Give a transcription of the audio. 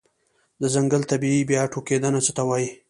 د ځنګل طبيعي بیا ټوکیدنه څه ته وایې؟